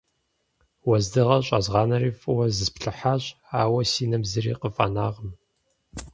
Уэздыгъэр щӏэзгъанэри, фӏыуэ зысплъыхьащ, ауэ си нэм зыри къыфӏэнакъым.